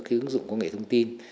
cái ứng dụng công nghệ thông tin